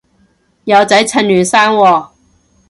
有仔趁嫩生喎